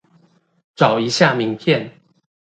找一下名片